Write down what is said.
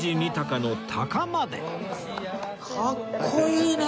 かっこいいね！